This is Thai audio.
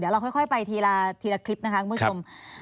เราค่อยไปทีละทีละคลิปนะคะคุณผู้ชม